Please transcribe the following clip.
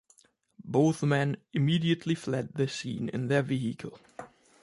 Both men immediately fled the scene in their vehicle.